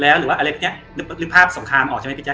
แล้วหรือว่าเนี้ยนึกภาพสงคารออกใช่ไหมพี่แจ๊บ